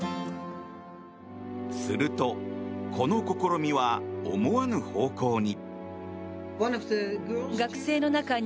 すると、この試みは思わぬ方向に。